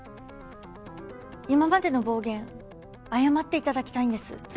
今までの暴言謝っていただきたいんです。